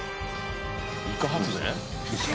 イカ発電？